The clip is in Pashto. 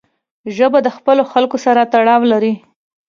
ژبه د خپلو خلکو سره تړاو لري